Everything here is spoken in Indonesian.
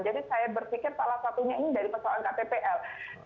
jadi saya berpikir salah satunya ini dari persoalan